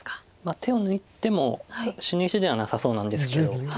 手を抜いても死ぬ石ではなさそうなんですけど。